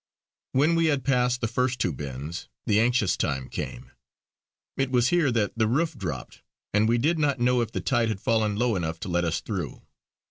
When we had passed the first two bends, the anxious time came; it was here that the roof dropped, and we did not know if the tide had fallen low enough to let us through.